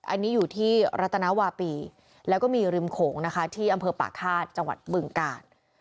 อันนี้อยู่ที่รัตนวาปีแล้วก็มีริมโขงนะคะที่อำเภอป่าฆาตจังหวัดบึงกาล